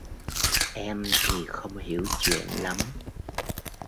Em thì không hiểu chuyện lắm